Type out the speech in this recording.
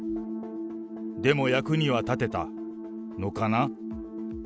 でも役には立てたのかな？